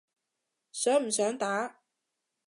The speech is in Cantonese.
想唔想打？